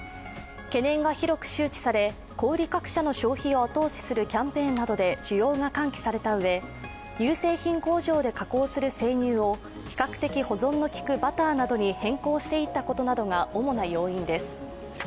懸念が広く周知され小売り各社の消費を後押しするキャンペーンなどで需要が喚起されたうえ乳製品工場で加工する生乳を比較的保存の利くバターなどに変更していったことなどが主な要因です。